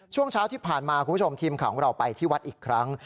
ช่วงเช้าที่ผ่านมาคุณผู้ชมทีมข่าวของเราไปที่วัดอีกครั้ง